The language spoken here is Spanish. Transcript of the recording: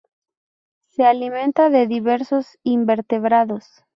Se alimenta de diversos invertebrados.